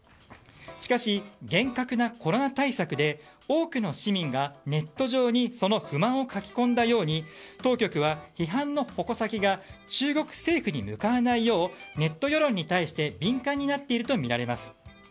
しかし、厳格なコロナ対策で多くの市民がネット上にその不満を書き込んだように当局は、批判の矛先が中国政府に向かわないようネット世論に対して敏感になっているとみられます。